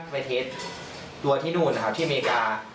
ไปเทสต์ตัวที่นู่นที่อเมริกา